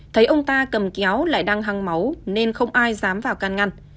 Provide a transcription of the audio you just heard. thấy ông ta cầm kéo lại đang hăng máu nên không ai dám vào can ngăn